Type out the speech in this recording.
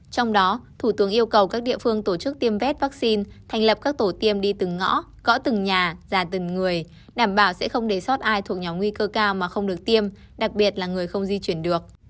trong đó thủ tướng yêu cầu các địa phương tổ chức tiêm vét vaccine thành lập các tổ tiêm đi từng ngõ gõ từng nhà già từng người đảm bảo sẽ không để sót ai thuộc nhóm nguy cơ cao mà không được tiêm đặc biệt là người không di chuyển được